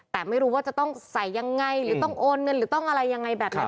แต่ไม่รู้ว่าจะต้องใส่ยังไงหรือต้องโอนเงินหรือต้องอะไรยังไงแบบไหน